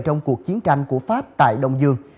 trong cuộc chiến tranh của pháp tại đông dương